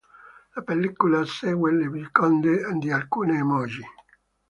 La pellicola segue le vicende di alcune emoji.